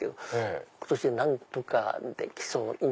今年何とかできそうな。